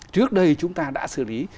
trước đây chúng ta đã xử lý